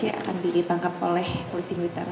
akan ditangkap oleh polisi militer